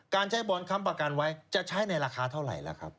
การใช้บอลค้ำประกันไว้จะใช้ในราคาเท่าไหร่ล่ะครับ